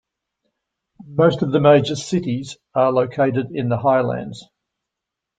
Most of the major cities are located in the Highlands.